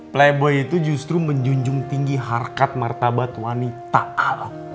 playboy itu justru menjunjung tinggi harkat martabat wanita al